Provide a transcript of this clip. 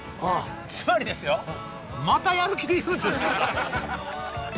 つまりですよまたやる気でいるんですか？